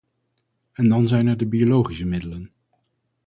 En dan zijn er de biologische middelen.